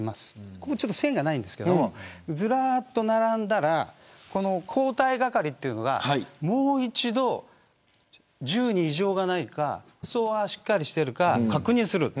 ここには線がありませんがずらっと並んだら交代係というのがもう一度、銃に異常がないか服装はしっかりしているか確認する。